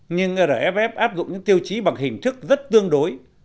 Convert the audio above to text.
nhưng rf áp dụng những tiêu chí bằng hình thức rất tương đối